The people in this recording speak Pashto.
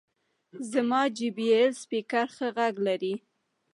زما جې بي ایل سپیکر ښه غږ لري.